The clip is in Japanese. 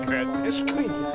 低いね。